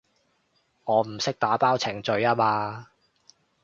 我唔識打包程序吖嘛